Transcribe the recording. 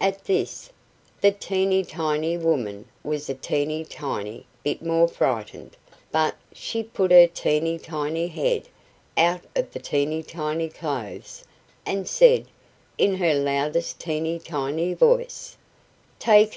At this the teeny tiny woman was a teeny tiny bit more frightened; but she put her teeny tiny head out of the teeny tiny clothes, and said in her loudest teeny tiny voice "TAKE IT!!"